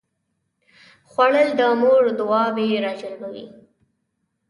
خوړل د مور دعاوې راجلبوي